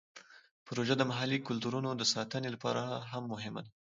پروژه د محلي کلتورونو د ساتنې لپاره هم مهمه ده.